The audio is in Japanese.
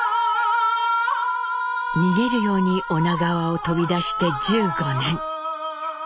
逃げるように女川を飛び出して１５年。